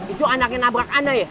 itu anaknya nabrak anda ya